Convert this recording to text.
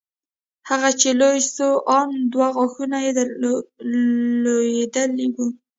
هغه چې لوى سو ان دوه غاښونه يې لوېدلي وو.